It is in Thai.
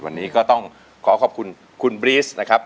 วันนี้ก็ต้องขอขอบคุณคุณบรีสนะครับ